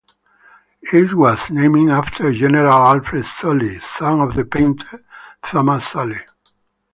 It was named after General Alfred Sully, son of the painter Thomas Sully.